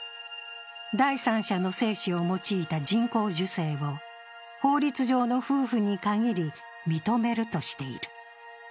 第三者の精子を用いた人工授精を法律上の夫婦に限り認めるとしている。